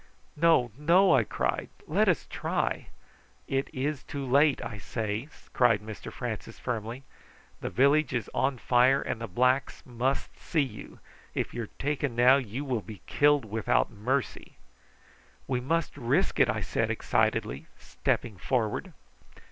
"No, no!" I cried. "Let us try." "It is too late, I say," cried Mr Francis firmly. "The village is on fire, and the blacks must see you. If you are taken now you will be killed without mercy." "We must risk it," I said excitedly, stepping forward.